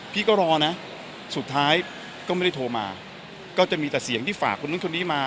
พี่ก็รอนะสุดท้ายก็ไม่ได้โทรมาก็จะมีแต่เสียงที่ฝากคนนู้นคนนี้มา